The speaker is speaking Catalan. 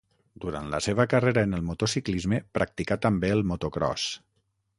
Durant la seva carrera en el motociclisme practicà també el motocròs.